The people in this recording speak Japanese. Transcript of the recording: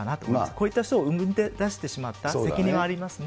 こういった人を生み出してしまった責任はありますね。